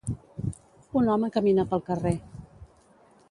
Un home camina pel carrer.